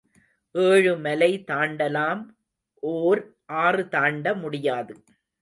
ஏழுமலை தாண்டலாம் ஓர் ஆறு தாண்ட முடியாது.